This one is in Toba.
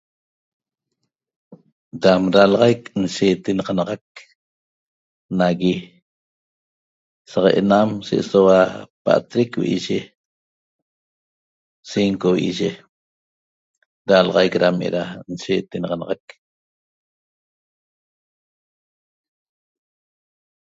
Dam dalaxaic da nshietenaxanaxac nagui saq ena'am se'esoua paatric vi'iyi 5 vi'iyi dalaxaic dam eda nshietenaxanaxac